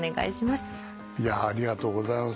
ありがとうございます。